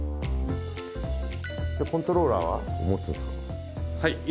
コントローラーは持つんですか？